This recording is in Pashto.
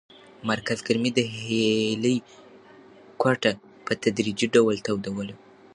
مرکز ګرمۍ د هیلې کوټه په تدریجي ډول تودوله.